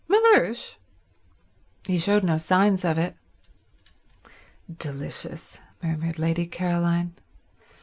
"Mellersh? He showed no signs of it." "Delicious," murmured Lady Caroline.